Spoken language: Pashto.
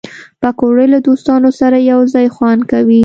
پکورې له دوستانو سره یو ځای خوند کوي